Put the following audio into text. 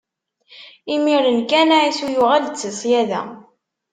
Imiren kan, Ɛisu yuɣal-d si ṣṣyada.